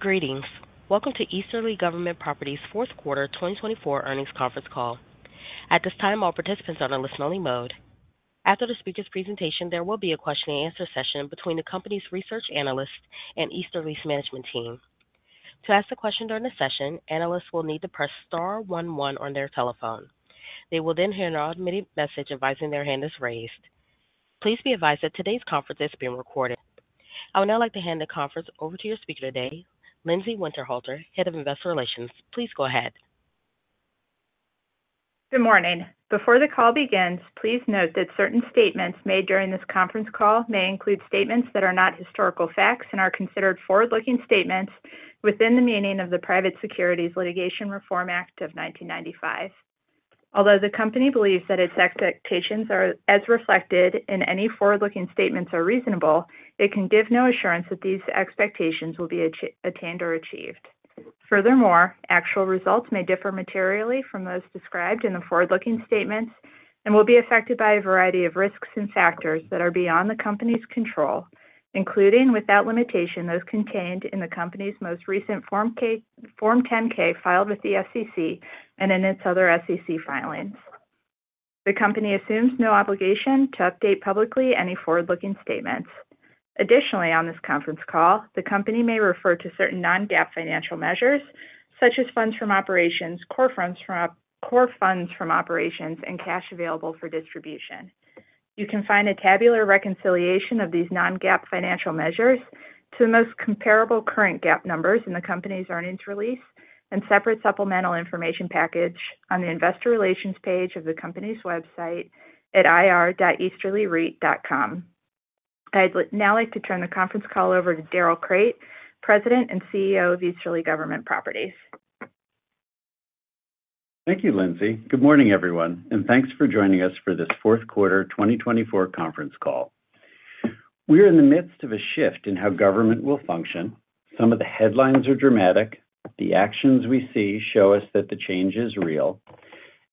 Greetings. Welcome to Easterly Government Properties' fourth quarter 2024 earnings conference call. At this time, all participants are on a listen-only mode. After the speaker's presentation, there will be a question and answer session between the company's research analyst and Easterly's management team. To ask a question during the session, analysts will need to press star one one on their telephone. They will then hear an automated message advising their hand is raised. Please be advised that today's conference is being recorded. I would now like to hand the conference over to your speaker today, Lindsay Winterhalter, Head of Investor Relations. Please go ahead. Good morning. Before the call begins, please note that certain statements made during this conference call may include statements that are not historical facts and are considered forward-looking statements within the meaning of the Private Securities Litigation Reform Act of 1995. Although the company believes that its expectations are as reflected in any forward-looking statements are reasonable, it can give no assurance that these expectations will be attained or achieved. Furthermore, actual results may differ materially from those described in the forward-looking statements and will be affected by a variety of risks and factors that are beyond the company's control, including, without limitation, those contained in the company's most recent Form 10-K filed with the SEC and in its other SEC filings. The company assumes no obligation to update publicly any forward-looking statements. Additionally, on this conference call, the company may refer to certain non-GAAP financial measures, such as funds from operations, core funds from operations, and cash available for distribution. You can find a tabular reconciliation of these non-GAAP financial measures to the most comparable current GAAP numbers in the company's earnings release and separate supplemental information package on the Investor Relations page of the company's website at ir.easterlyreit.com. I'd now like to turn the conference call over to Darrell Crate, President and CEO of Easterly Government Properties. Thank you, Lindsay. Good morning, everyone, and thanks for joining us for this fourth quarter 2024 conference call. We are in the midst of a shift in how government will function. Some of the headlines are dramatic. The actions we see show us that the change is real.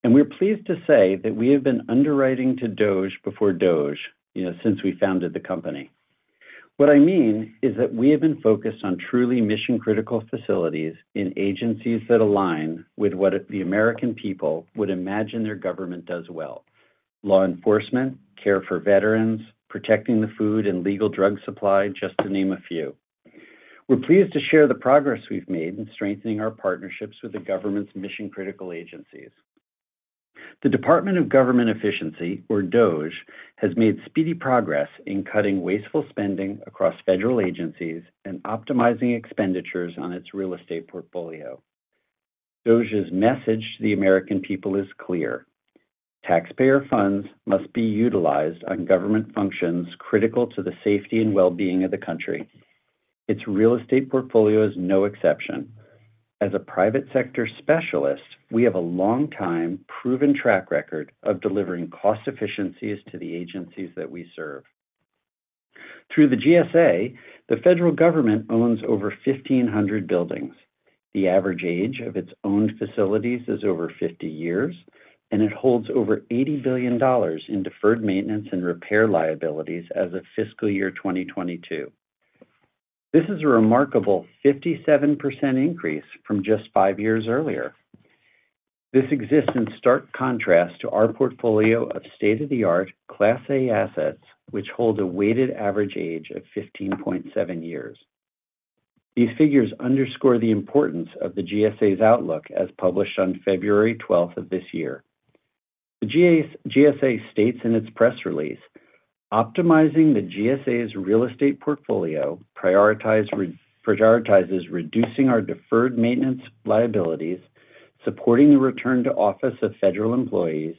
And we're pleased to say that we have been underwriting to DOGE before DOGE since we founded the company. What I mean is that we have been focused on truly mission-critical facilities in agencies that align with what the American people would imagine their government does well: law enforcement, care for veterans, protecting the food and legal drug supply, just to name a few. We're pleased to share the progress we've made in strengthening our partnerships with the government's mission-critical agencies. The Department of Government Efficiency, or DOGE, has made speedy progress in cutting wasteful spending across federal agencies and optimizing expenditures on its real estate portfolio. DOGE's message to the American people is clear: taxpayer funds must be utilized on government functions critical to the safety and well-being of the country. Its real estate portfolio is no exception. As a private sector specialist, we have a long-time proven track record of delivering cost efficiencies to the agencies that we serve. Through the GSA, the federal government owns over 1,500 buildings. The average age of its owned facilities is over 50 years, and it holds over $80 billion in deferred maintenance and repair liabilities as of fiscal year 2022. This is a remarkable 57% increase from just five years earlier. This exists in stark contrast to our portfolio of state-of-the-art Class A assets, which hold a weighted average age of 15.7 years. These figures underscore the importance of the GSA's outlook as published on February 12th of this year. The GSA states in its press release, "Optimizing the GSA's real estate portfolio prioritizes reducing our deferred maintenance liabilities, supporting the return to office of federal employees,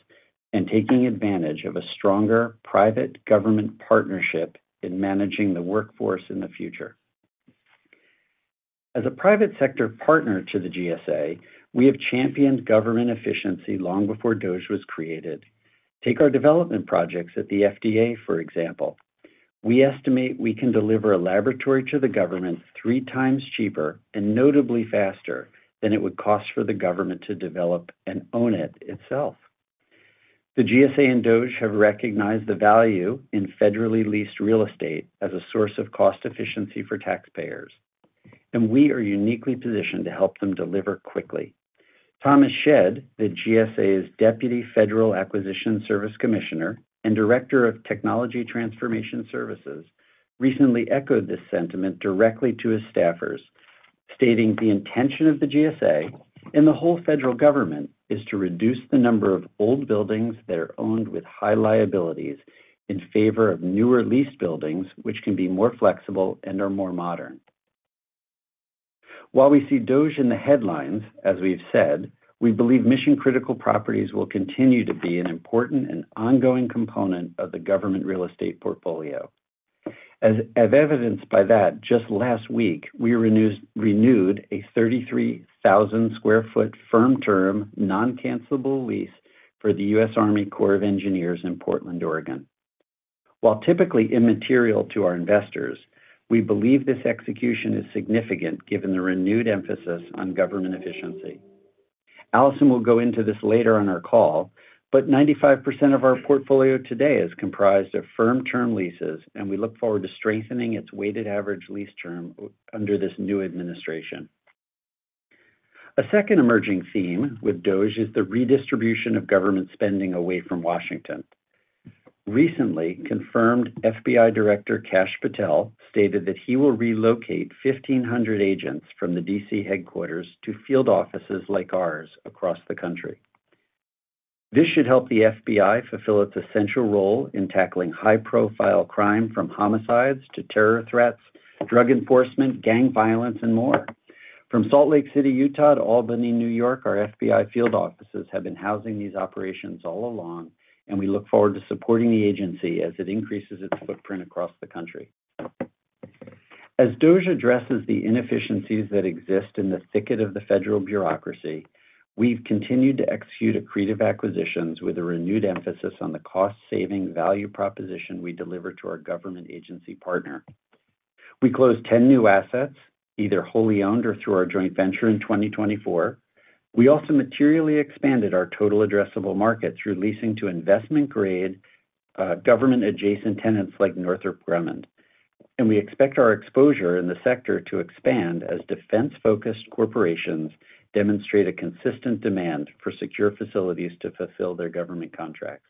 and taking advantage of a stronger private government partnership in managing the workforce in the future." As a private sector partner to the GSA, we have championed government efficiency long before DOGE was created. Take our development projects at the FDA, for example. We estimate we can deliver a laboratory to the government three times cheaper and notably faster than it would cost for the government to develop and own it itself. The GSA and DOGE have recognized the value in federally leased real estate as a source of cost efficiency for taxpayers, and we are uniquely positioned to help them deliver quickly. Thomas Shedd, the GSA's Deputy Federal Acquisition Service Commissioner and Director of Technology Transformation Services, recently echoed this sentiment directly to his staffers, stating, "The intention of the GSA and the whole federal government is to reduce the number of old buildings that are owned with high liabilities in favor of newer leased buildings, which can be more flexible and are more modern." While we see DOGE in the headlines, as we've said, we believe mission-critical properties will continue to be an important and ongoing component of the government real estate portfolio. As evidenced by that, just last week, we renewed a 33,000 sq ft firm-term non-cancelable lease for the U.S. Army Corps of Engineers in Portland, Oregon. While typically immaterial to our investors, we believe this execution is significant given the renewed emphasis on government efficiency. Allison will go into this later on our call, but 95% of our portfolio today is comprised of firm-term leases, and we look forward to strengthening its weighted average lease term under this new administration. A second emerging theme with DOGE is the redistribution of government spending away from Washington. Recently, confirmed FBI Director Kash Patel stated that he will relocate 1,500 agents from the D.C. headquarters to field offices like ours across the country. This should help the FBI fulfill its essential role in tackling high-profile crime, from homicides to terror threats, drug enforcement, gang violence, and more. From Salt Lake City, Utah, to Albany, New York, our FBI field offices have been housing these operations all along, and we look forward to supporting the agency as it increases its footprint across the country. As DOGE addresses the inefficiencies that exist in the thicket of the federal bureaucracy, we've continued to execute accretive acquisitions with a renewed emphasis on the cost-saving value proposition we deliver to our government agency partner. We closed 10 new assets, either wholly owned or through our joint venture in 2024. We also materially expanded our total addressable market through leasing to investment-grade government-adjacent tenants like Northrop Grumman. And we expect our exposure in the sector to expand as defense-focused corporations demonstrate a consistent demand for secure facilities to fulfill their government contracts.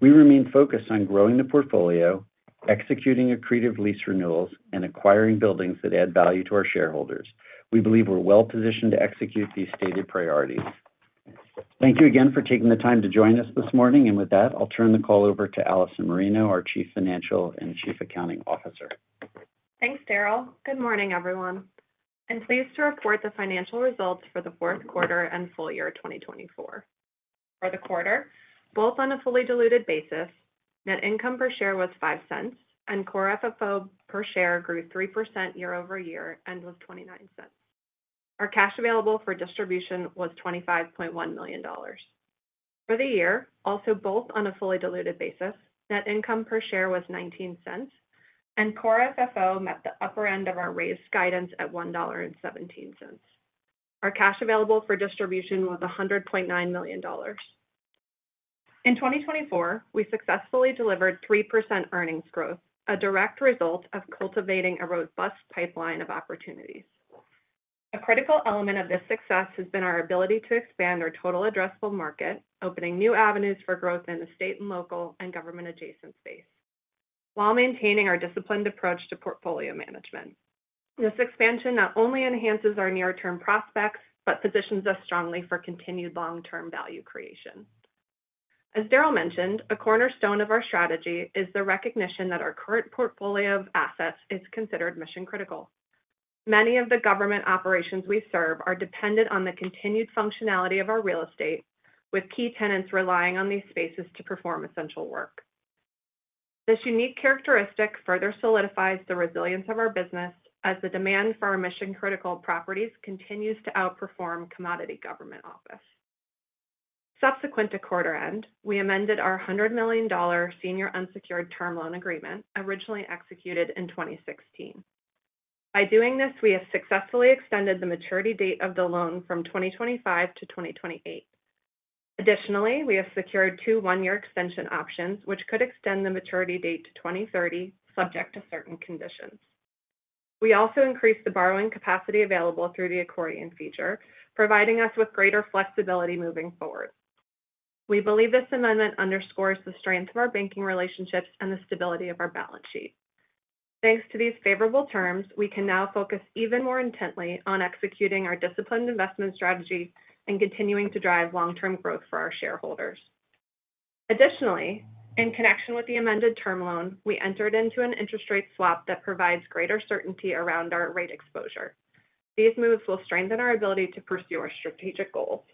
We remain focused on growing the portfolio, executing accretive lease renewals, and acquiring buildings that add value to our shareholders. We believe we're well-positioned to execute these stated priorities. Thank you again for taking the time to join us this morning. And with that, I'll turn the call over to Allison Marino, our Chief Financial and Chief Accounting Officer. Thanks, Darrell. Good morning, everyone. I'm pleased to report the financial results for the fourth quarter and full year 2024. For the quarter, both on a fully diluted basis, net income per share was $0.05, and core FFO per share grew 3% year-over-year and was $0.29. Our cash available for distribution was $25.1 million. For the year, also both on a fully diluted basis, net income per share was $0.19, and core FFO met the upper end of our raised guidance at $1.17. Our cash available for distribution was $100.9 million. In 2024, we successfully delivered 3% earnings growth, a direct result of cultivating a robust pipeline of opportunities. A critical element of this success has been our ability to expand our total addressable market, opening new avenues for growth in the state and local and government-adjacent space, while maintaining our disciplined approach to portfolio management. This expansion not only enhances our near-term prospects but positions us strongly for continued long-term value creation. As Darrell mentioned, a cornerstone of our strategy is the recognition that our current portfolio of assets is considered mission-critical. Many of the government operations we serve are dependent on the continued functionality of our real estate, with key tenants relying on these spaces to perform essential work. This unique characteristic further solidifies the resilience of our business as the demand for our mission-critical properties continues to outperform commodity government office. Subsequent to quarter end, we amended our $100 million senior unsecured term loan agreement, originally executed in 2016. By doing this, we have successfully extended the maturity date of the loan from 2025 to 2028. Additionally, we have secured two one-year extension options, which could extend the maturity date to 2030, subject to certain conditions. We also increased the borrowing capacity available through the accordion feature, providing us with greater flexibility moving forward. We believe this amendment underscores the strength of our banking relationships and the stability of our balance sheet. Thanks to these favorable terms, we can now focus even more intently on executing our disciplined investment strategy and continuing to drive long-term growth for our shareholders. Additionally, in connection with the amended term loan, we entered into an interest rate swap that provides greater certainty around our rate exposure. These moves will strengthen our ability to pursue our strategic goals.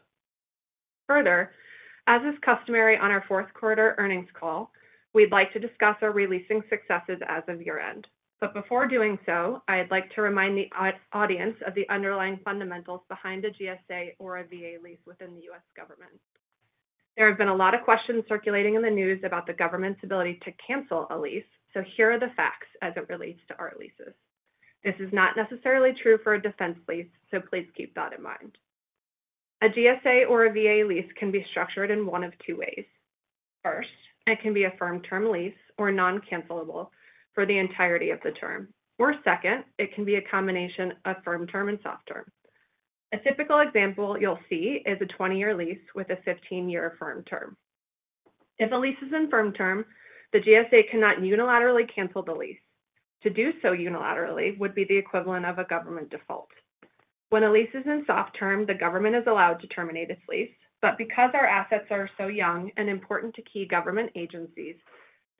Further, as is customary on our fourth quarter earnings call, we'd like to discuss our re-leasing successes as of year-end. But before doing so, I'd like to remind the audience of the underlying fundamentals behind a GSA or a VA lease within the U.S. government. There have been a lot of questions circulating in the news about the government's ability to cancel a lease, so here are the facts as it relates to our leases. This is not necessarily true for a defense lease, so please keep that in mind. A GSA or a VA lease can be structured in one of two ways. First, it can be a firm-term lease or non-cancelable for the entirety of the term. Or second, it can be a combination of firm-term and soft-term. A typical example you'll see is a 20-year lease with a 15-year firm-term. If a lease is in firm-term, the GSA cannot unilaterally cancel the lease. To do so unilaterally would be the equivalent of a government default. When a lease is in soft-term, the government is allowed to terminate its lease, but because our assets are so young and important to key government agencies,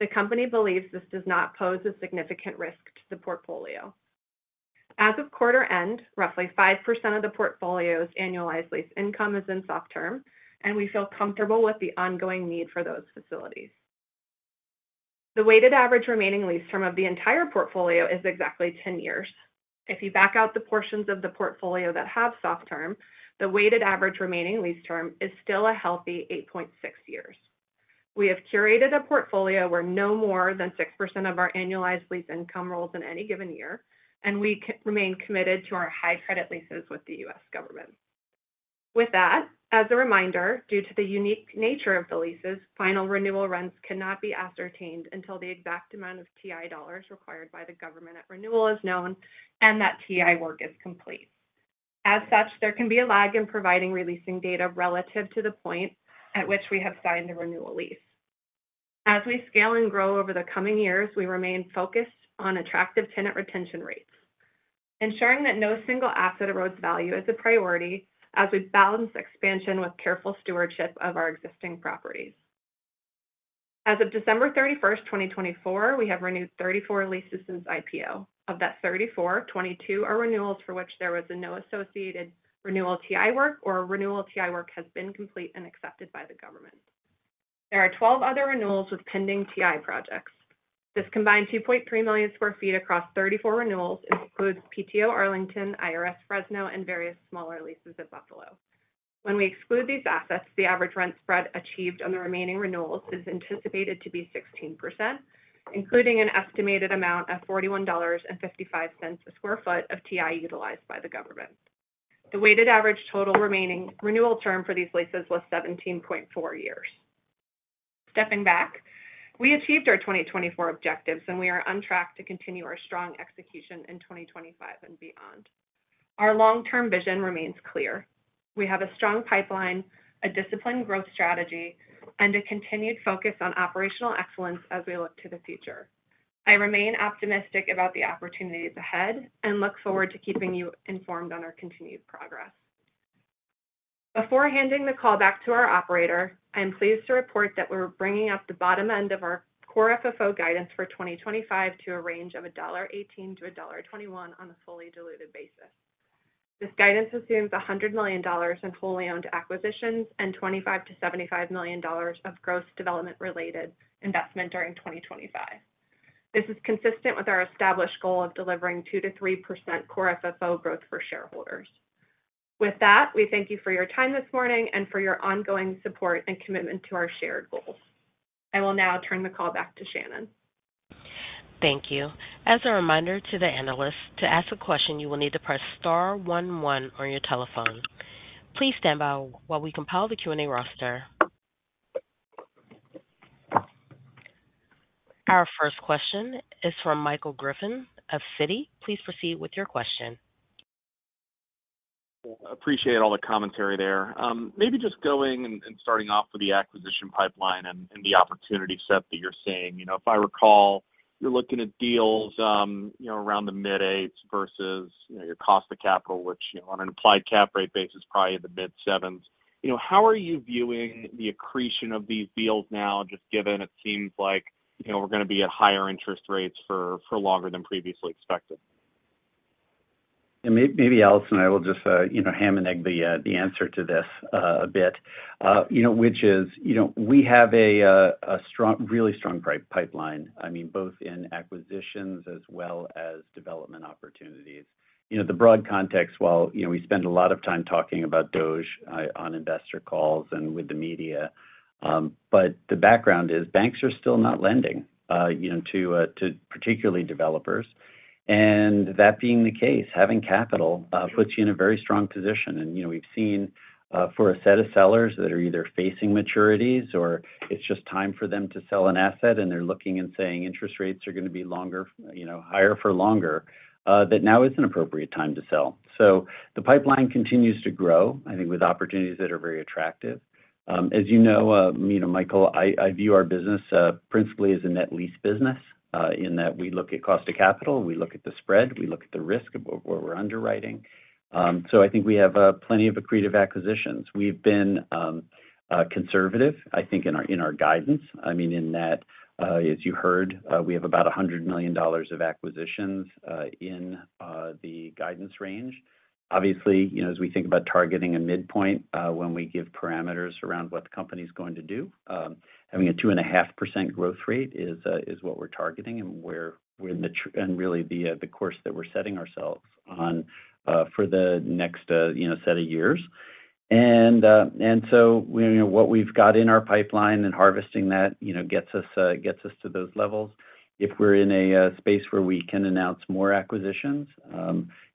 the company believes this does not pose a significant risk to the portfolio. As of quarter end, roughly 5% of the portfolio's annualized lease income is in soft-term, and we feel comfortable with the ongoing need for those facilities. The weighted average remaining lease term of the entire portfolio is exactly 10 years. If you back out the portions of the portfolio that have soft-term, the weighted average remaining lease term is still a healthy 8.6 years. We have curated a portfolio where no more than 6% of our annualized lease income rolls in any given year, and we remain committed to our high credit leases with the U.S. government. With that, as a reminder, due to the unique nature of the leases, final renewal rents cannot be ascertained until the exact amount of TI dollars required by the government at renewal is known and that TI work is complete. As such, there can be a lag in providing re-leasing data relative to the point at which we have signed a renewal lease. As we scale and grow over the coming years, we remain focused on attractive tenant retention rates, ensuring that no single asset erodes value as a priority as we balance expansion with careful stewardship of our existing properties. As of December 31st, 2024, we have renewed 34 leases since IPO. Of that 34, 22 are renewals for which there was no associated renewal TI work, or renewal TI work has been complete and accepted by the government. There are 12 other renewals with pending TI projects. This combined 2.3 million sq ft across 34 renewals includes PTO Arlington, IRS Fresno, and various smaller leases at Buffalo. When we exclude these assets, the average rent spread achieved on the remaining renewals is anticipated to be 16%, including an estimated amount of $41.55 a sq ft of TI utilized by the government. The weighted average total renewal term for these leases was 17.4 years. Stepping back, we achieved our 2024 objectives, and we are on track to continue our strong execution in 2025 and beyond. Our long-term vision remains clear. We have a strong pipeline, a disciplined growth strategy, and a continued focus on operational excellence as we look to the future. I remain optimistic about the opportunities ahead and look forward to keeping you informed on our continued progress. Before handing the call back to our operator, I am pleased to report that we're bringing up the bottom end of our core FFO guidance for 2025 to a range of $1.18-$1.21 on a fully diluted basis. This guidance assumes $100 million in wholly owned acquisitions and $25 million-$75 million of gross development-related investment during 2025. This is consistent with our established goal of delivering 2%-3% core FFO growth for shareholders. With that, we thank you for your time this morning and for your ongoing support and commitment to our shared goals. I will now turn the call back to Shannon. Thank you. As a reminder to the analysts, to ask a question, you will need to press star one one on your telephone. Please stand by while we compile the Q&A roster. Our first question is from Michael Griffin of Citi. Please proceed with your question. Appreciate all the commentary there. Maybe just going and starting off with the acquisition pipeline and the opportunity set that you're seeing. If I recall, you're looking at deals around the mid-eights versus your cost of capital, which on an applied cap rate basis is probably in the mid-sevens. How are you viewing the accretion of these deals now, just given it seems like we're going to be at higher interest rates for longer than previously expected? Maybe Allison and I will just ham and egg the answer to this a bit, which is we have a really strong pipeline, I mean, both in acquisitions as well as development opportunities. The broad context, while we spend a lot of time talking about DOGE on investor calls and with the media, but the background is banks are still not lending, particularly to developers, and that being the case, having capital puts you in a very strong position, and we've seen for a set of sellers that are either facing maturities or it's just time for them to sell an asset and they're looking and saying interest rates are going to be higher for longer, that now is an appropriate time to sell, so the pipeline continues to grow, I think, with opportunities that are very attractive. As you know, Michael, I view our business principally as a net lease business in that we look at cost of capital, we look at the spread, we look at the risk of what we're underwriting. So I think we have plenty of accretive acquisitions. We've been conservative, I think, in our guidance. I mean, in that, as you heard, we have about $100 million of acquisitions in the guidance range. Obviously, as we think about targeting a midpoint when we give parameters around what the company's going to do, having a 2.5% growth rate is what we're targeting and really the course that we're setting ourselves on for the next set of years. And so what we've got in our pipeline and harvesting that gets us to those levels. If we're in a space where we can announce more acquisitions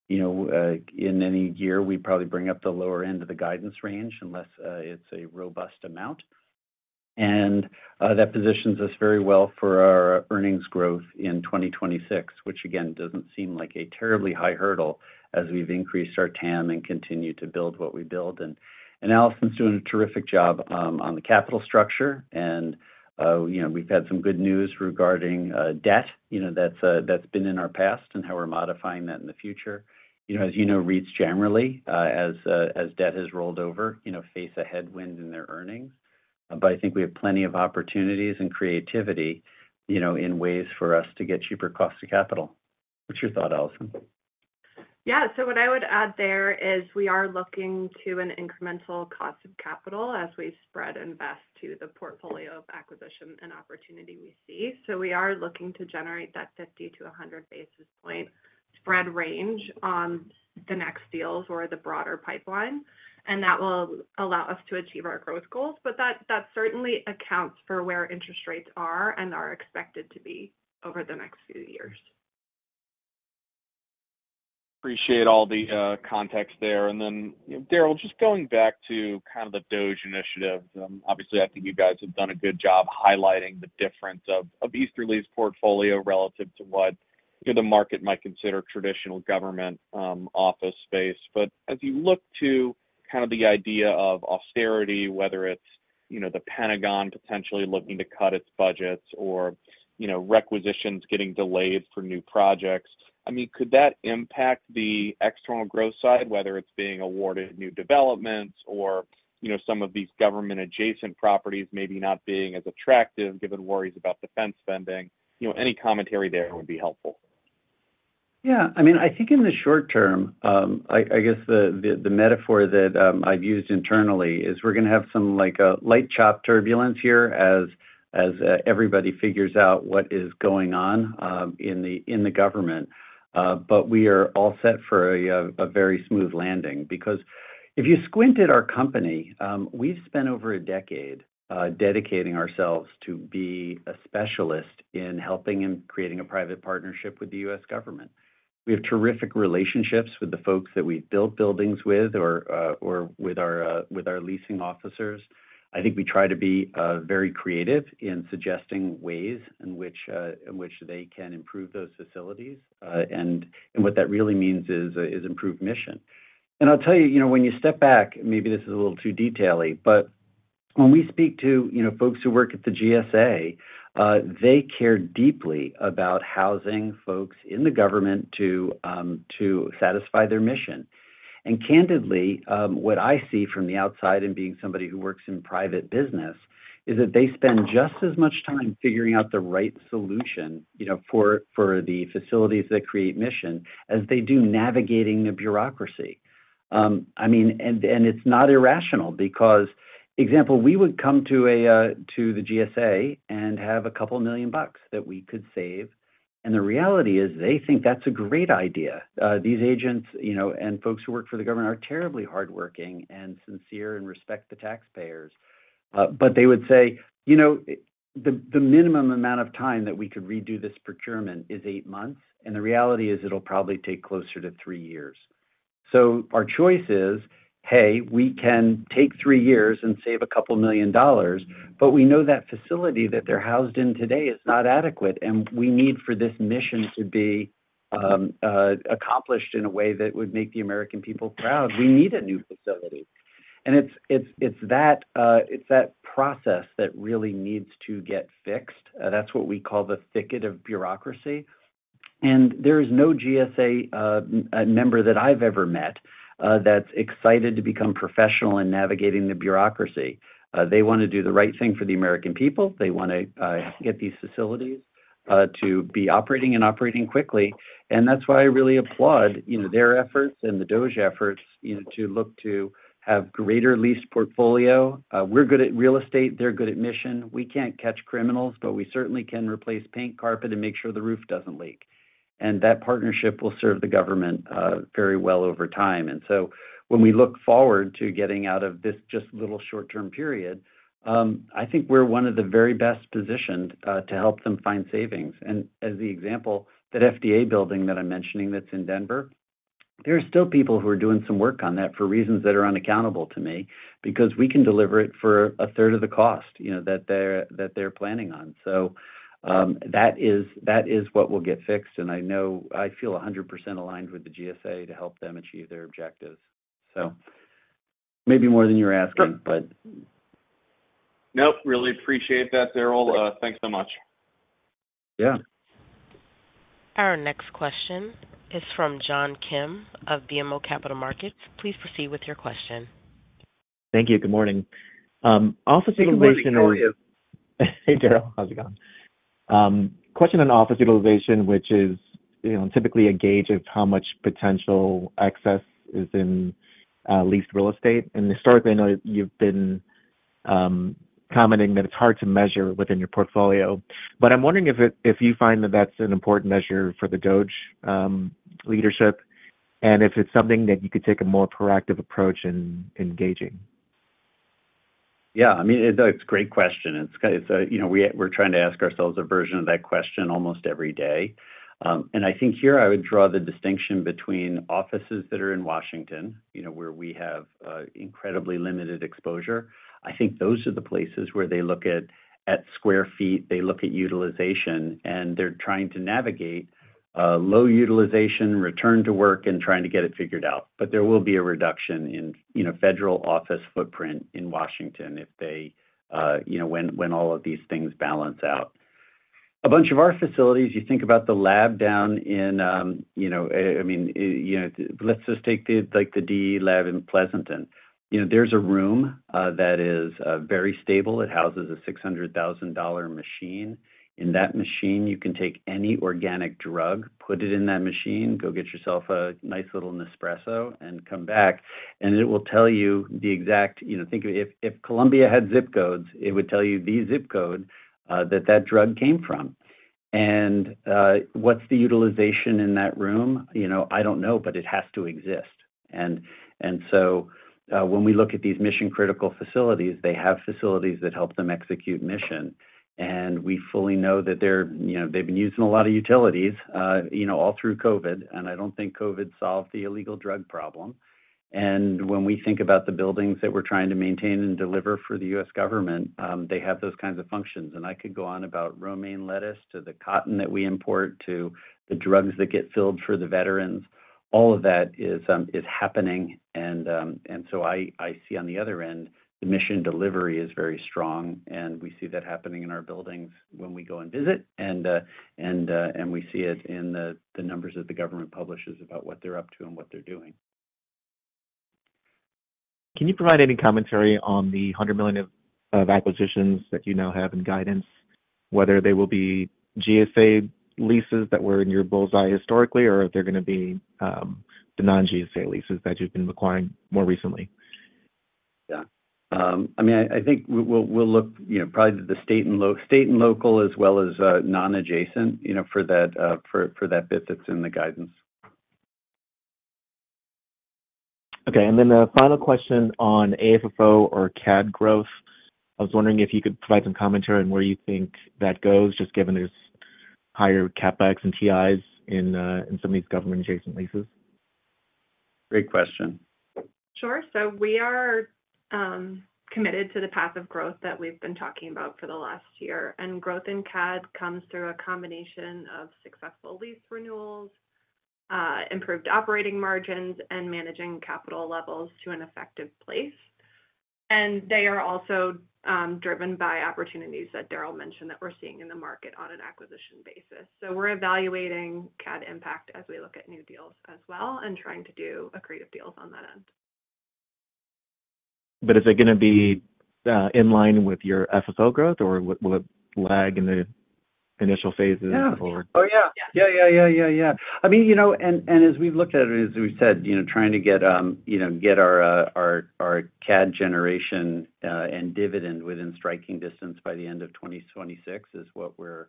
in any year, we probably bring up the lower end of the guidance range unless it's a robust amount, and that positions us very well for our earnings growth in 2026, which, again, doesn't seem like a terribly high hurdle as we've increased our TAM and continue to build what we build, and Allison's doing a terrific job on the capital structure, and we've had some good news regarding debt that's been in our past and how we're modifying that in the future. As you know, REITs generally, as debt has rolled over, face a headwind in their earnings, but I think we have plenty of opportunities and creativity in ways for us to get cheaper cost of capital. What's your thought, Allison? Yeah. So what I would add there is we are looking to an incremental cost of capital as we spread and invest to the portfolio of acquisition and opportunity we see. So we are looking to generate that 50-100 basis points spread range on the next deals or the broader pipeline. And that will allow us to achieve our growth goals. But that certainly accounts for where interest rates are and are expected to be over the next few years. Appreciate all the context there. And then, Darrell, just going back to kind of the DOGE initiative, obviously, I think you guys have done a good job highlighting the difference of Easterly's portfolio relative to what the market might consider traditional government office space. But as you look to kind of the idea of austerity, whether it's the Pentagon potentially looking to cut its budgets or requisitions getting delayed for new projects, I mean, could that impact the external growth side, whether it's being awarded new developments or some of these government-adjacent properties maybe not being as attractive given worries about defense spending? Any commentary there would be helpful. Yeah. I mean, I think in the short term, I guess the metaphor that I've used internally is we're going to have some light chop turbulence here as everybody figures out what is going on in the government. But we are all set for a very smooth landing because if you squint at our company, we've spent over a decade dedicating ourselves to be a specialist in helping and creating a private partnership with the U.S. government. We have terrific relationships with the folks that we've built buildings with or with our leasing officers. I think we try to be very creative in suggesting ways in which they can improve those facilities. And what that really means is improved mission. And I'll tell you, when you step back, maybe this is a little too detaily, but when we speak to folks who work at the GSA, they care deeply about housing folks in the government to satisfy their mission. And candidly, what I see from the outside and being somebody who works in private business is that they spend just as much time figuring out the right solution for the facilities that create mission as they do navigating the bureaucracy. I mean, and it's not irrational because, example, we would come to the GSA and have $2 million that we could save. And the reality is they think that's a great idea. These agents and folks who work for the government are terribly hardworking and sincere and respect the taxpayers. But they would say, "The minimum amount of time that we could redo this procurement is eight months." And the reality is it'll probably take closer to three years. So our choice is, "Hey, we can take three years and save $2 million, but we know that facility that they're housed in today is not adequate. And we need for this mission to be accomplished in a way that would make the American people proud. We need a new facility." And it's that process that really needs to get fixed. That's what we call the thicket of bureaucracy. And there is no GSA member that I've ever met that's excited to become professional in navigating the bureaucracy. They want to do the right thing for the American people. They want to get these facilities to be operating and operating quickly. And that's why I really applaud their efforts and the DOGE efforts to look to have greater lease portfolio. We're good at real estate. They're good at mission. We can't catch criminals, but we certainly can replace paint, carpet, and make sure the roof doesn't leak. And that partnership will serve the government very well over time. And so when we look forward to getting out of this just little short-term period, I think we're one of the very best positioned to help them find savings. And as the example, that FDA building that I'm mentioning that's in Denver, there are still people who are doing some work on that for reasons that are unaccountable to me because we can deliver it for a third of the cost that they're planning on. So that is what will get fixed. I feel 100% aligned with the GSA to help them achieve their objectives. Maybe more than you're asking, but. Nope. Really appreciate that, Darrell. Thanks so much. Yeah. Our next question is from John Kim of BMO Capital Markets. Please proceed with your question. Thank you. Good morning. Office utilization or. Hey, Darrell. How's it going? Question on office utilization, which is typically a gauge of how much potential excess is in leased real estate. And historically, I know you've been commenting that it's hard to measure within your portfolio. But I'm wondering if you find that that's an important measure for the DOGE leadership and if it's something that you could take a more proactive approach in engaging? Yeah. I mean, it's a great question. We're trying to ask ourselves a version of that question almost every day. And I think here I would draw the distinction between offices that are in Washington, where we have incredibly limited exposure. I think those are the places where they look at square feet, they look at utilization, and they're trying to navigate low utilization, return to work, and trying to get it figured out. But there will be a reduction in federal office footprint in Washington if they when all of these things balance out. A bunch of our facilities, you think about the lab down in I mean, let's just take the DEA lab in Pleasanton. There's a room that is very stable. It houses a $600,000 machine. In that machine, you can take any organic drug, put it in that machine, go get yourself a nice little Nespresso, and come back. And it will tell you the exact thing of it if Colombia had zip codes, it would tell you the zip code that that drug came from. And what's the utilization in that room? I don't know, but it has to exist. And so when we look at these mission-critical facilities, they have facilities that help them execute mission. And we fully know that they've been using a lot of utilities all through COVID. And I don't think COVID solved the illegal drug problem. And when we think about the buildings that we're trying to maintain and deliver for the U.S. government, they have those kinds of functions. I could go on about romaine lettuce to the cotton that we import to the drugs that get filled for the veterans. All of that is happening, so I see on the other end, the mission delivery is very strong. We see that happening in our buildings when we go and visit. We see it in the numbers that the government publishes about what they're up to and what they're doing. Can you provide any commentary on the $100 million of acquisitions that you now have in guidance, whether they will be GSA leases that were in your bull's eye historically, or if they're going to be the non-GSA leases that you've been acquiring more recently? Yeah. I mean, I think we'll look probably to the state and local as well as government-adjacent for that bit that's in the guidance. Okay. And then the final question on AFFO or CAD growth. I was wondering if you could provide some commentary on where you think that goes, just given there's higher CapEx and TIs in some of these government-adjacent leases. Great question. Sure. So we are committed to the path of growth that we've been talking about for the last year. And growth in CAD comes through a combination of successful lease renewals, improved operating margins, and managing capital levels to an effective place. And they are also driven by opportunities that Darrell mentioned that we're seeing in the market on an acquisition basis. So we're evaluating CAD impact as we look at new deals as well and trying to do accretive deals on that end. But is it going to be in line with your FFO growth, or will it lag in the initial phases, or? Oh, yeah. Yeah, yeah, yeah, yeah, yeah. I mean, and as we've looked at it, as we said, trying to get our CAD generation and dividend within striking distance by the end of 2026 is what we're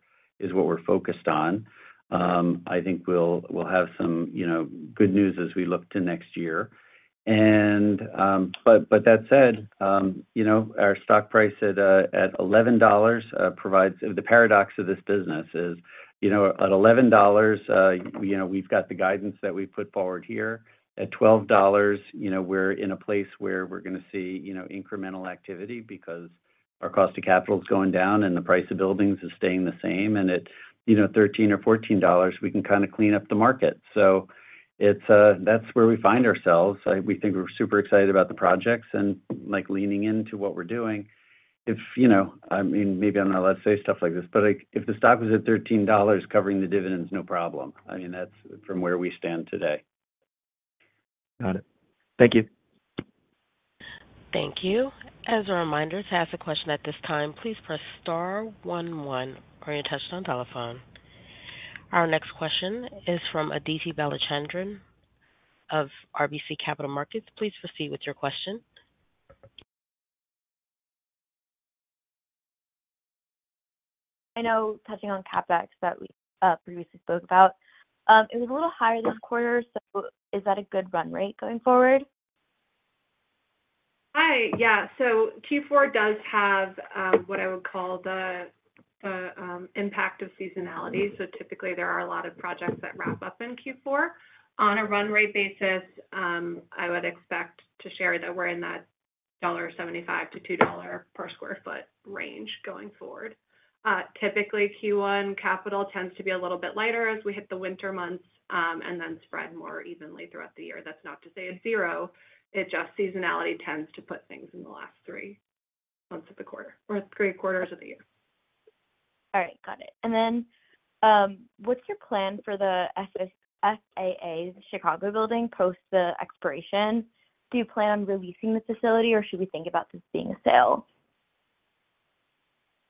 focused on. I think we'll have some good news as we look to next year. But that said, our stock price at $11 provides the paradox of this business is at $11, we've got the guidance that we've put forward here. At $12, we're in a place where we're going to see incremental activity because our cost of capital is going down and the price of buildings is staying the same. And at $13 or $14, we can kind of clean up the market. So that's where we find ourselves. We think we're super excited about the projects and leaning into what we're doing. I mean, maybe I'm not allowed to say stuff like this, but if the stock was at $13 covering the dividends, no problem. I mean, that's from where we stand today. Got it. Thank you. Thank you. As a reminder, to ask a question at this time, please press star one one on your touch-tone telephone. Our next question is from Aditi Balachandran of RBC Capital Markets. Please proceed with your question. I know touching on CapEx that we previously spoke about, it was a little higher this quarter. So is that a good run rate going forward? Hi. Yeah. So Q4 does have what I would call the impact of seasonality. So typically, there are a lot of projects that wrap up in Q4. On a run rate basis, I would expect to share that we're in that $1.75-$2 per sq ft range going forward. Typically, Q1 capital tends to be a little bit lighter as we hit the winter months and then spread more evenly throughout the year. That's not to say it's zero. It just seasonality tends to put things in the last three months of the quarter or three quarters of the year. All right. Got it. And then what's your plan for the FAA's Chicago building post the expiration? Do you plan on releasing the facility, or should we think about this being a sale?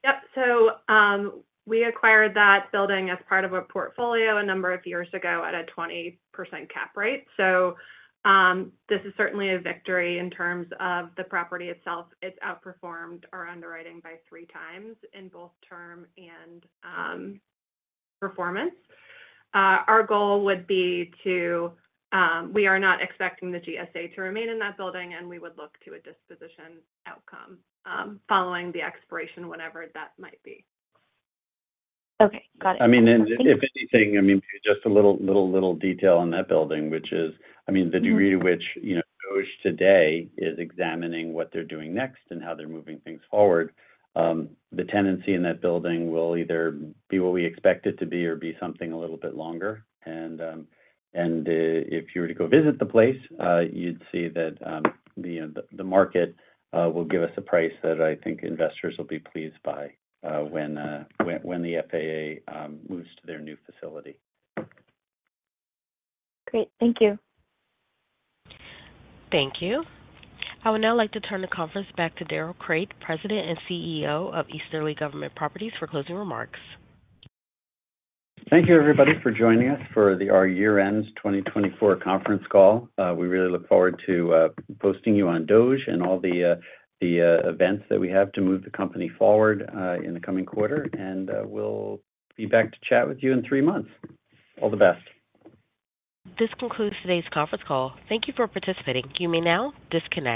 Yep. So we acquired that building as part of a portfolio a number of years ago at a 20% cap rate. So this is certainly a victory in terms of the property itself. It's outperformed our underwriting by three times in both term and performance. Our goal would be. We are not expecting the GSA to remain in that building, and we would look to a disposition outcome following the expiration, whenever that might be. Okay. Got it. Thank you. I mean, if anything, I mean, just a little detail on that building, which is, I mean, the degree to which DOGE today is examining what they're doing next and how they're moving things forward. The tendency in that building will either be what we expect it to be or be something a little bit longer, and if you were to go visit the place, you'd see that the market will give us a price that I think investors will be pleased by when the FAA moves to their new facility. Great. Thank you. Thank you. I would now like to turn the conference back to Darrell Crate, President and CEO of Easterly Government Properties, for closing remarks. Thank you, everybody, for joining us for our year-end 2024 conference call. We really look forward to updating you on DOGE and all the events that we have to move the company forward in the coming quarter, and we'll be back to chat with you in three months. All the best. This concludes today's conference call. Thank you for participating. You may now disconnect.